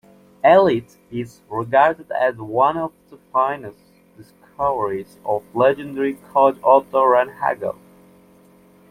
Eilts is regarded as one of the finest discoveries of legendary coach Otto Rehhagel.